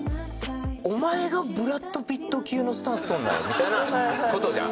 お前がブラッド・ピット級のスタンス取るなよみたいな事じゃん。